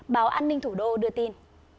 báo an ninh thủ đô đưa tin